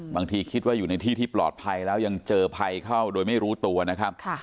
บางทีคิดว่าอยู่ในที่ที่ปลอดภัยแล้วยังเจอภัยเข้าโดยไม่รู้ตัวนะครับ